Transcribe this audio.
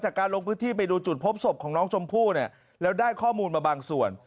การลงพื้นที่ไปดูจุดพบศพของน้องชมพู่เนี่ยแล้วได้ข้อมูลมาบางส่วน